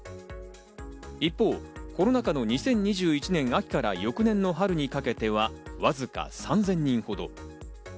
一方、コロナ禍の２０２１年秋から翌年春にかけてはわずか３０００人ほど。